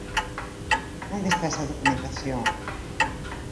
¿Onde está esa documentación?